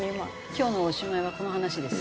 今日のおしまいはこの話です。